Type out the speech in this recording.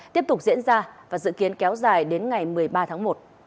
tiếp tục diễn ra và dự kiến kéo dài đến ngày một mươi ba tháng một